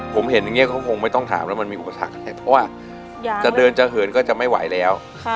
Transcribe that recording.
ผมเห็นอย่างนี้เขาคงไม่ต้องถามแล้วมันมีอุปสรรคอะไรเพราะว่าจะเดินจะเหินก็จะไม่ไหวแล้ว